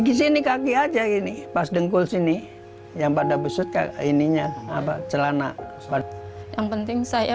di sini kaki aja gini pas dengkul sini yang pada besut kayak ininya apa celana yang penting saya